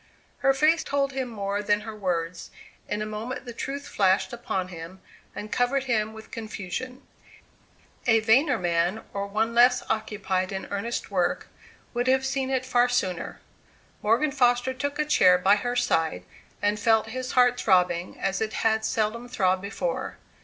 Her face told him more than her words. In a moment the truth flashed upon him, and covered him with confusion. A vainer man, or one less occupied in earnest work, would have seen it far sooner. Morgan Foster took a chair by her side, and felt his heart throbbing as it had seldom throbbed before.